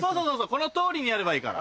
この通りにやればいいから。